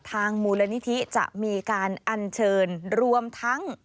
ทางมูลนิธิจะมีการอัญเชิญรวมทั้ง